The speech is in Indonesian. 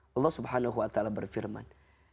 allah swt berfirman